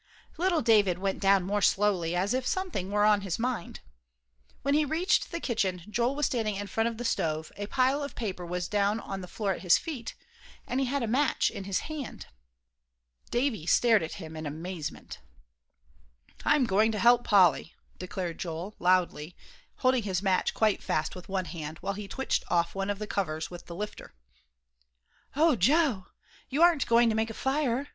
Little David went down more slowly, as if something were on his mind. When he reached the kitchen, Joel was standing in front of the stove, a pile of paper was down on the floor at his feet, and he had a match in his hand. Davie stared at him in amazement. "I'm going to help Polly," declared Joel, loudly, holding his match quite fast with one hand, while he twitched off one of the covers, with the lifter. "Oh, Joe, you aren't going to make a fire?"